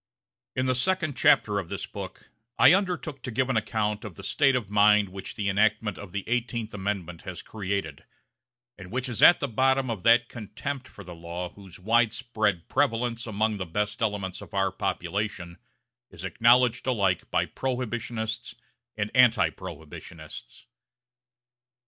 IN the second chapter of this book, I undertook to give an account of the state of mind which the enactment of the Eighteenth Amendment has created, and which is at the bottom of that contempt for the law whose widespread prevalence among the best elements of our population is acknowledged alike by prohibitionists and anti prohibitionists.